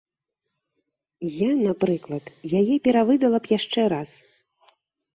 Я, напрыклад, яе перавыдала б яшчэ раз.